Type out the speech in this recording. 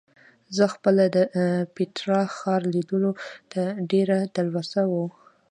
زما خپله د پېټرا ښار لیدلو ته ډېره تلوسه وه.